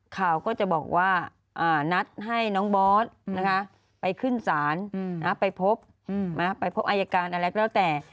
ข่าวก็จะบอกว่านัดให้น้องบอสไปขึ้นศาลไปพบไปพบอายการอะไรก็แล้วแต่